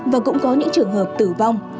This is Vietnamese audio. và cũng có những trường hợp tử vong